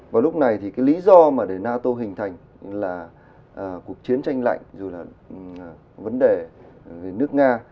và lúc này thì cái lý do mà để nato hình thành là cuộc chiến tranh lạnh rồi là vấn đề về nước nga